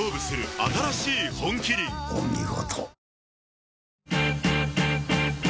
お見事。